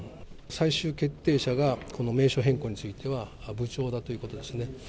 最終決定者が、この名称変更については部長だということですね。